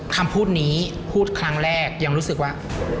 คำพูดนี้พูดครั้งแรกยังรู้สึกว่า